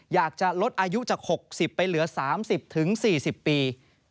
อยากจะลดอายุจาก๖๐ไปเหลือ๓๐๔๐ปี